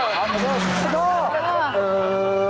อ๋อขอโทษ